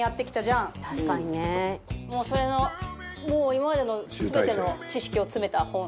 それのもう今までの全ての知識を詰めた本。